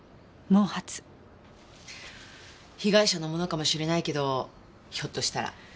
被害者のものかもしれないけどひょっとしたら。